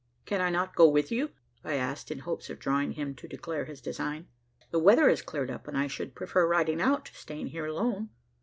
"Can I not go with you?" I asked in hopes of drawing him to declare his design. "The weather has cleared up; and I should prefer riding out, to staying here alone.